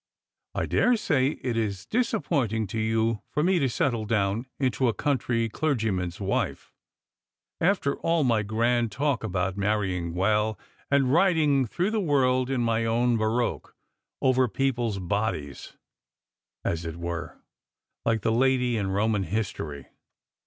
" I daresay it is disappointing to you for me to settle down into a country clergyman's wife, after all my grand talk about marrying well, and riding through the world in my own barouche, over people's bodies, as it wp'*» like Strangers and Pilyrims. 189 the lady in Koman history.